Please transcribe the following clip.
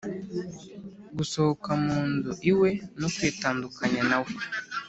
gusohoka mu nzu iwe no kwitandukanya nawe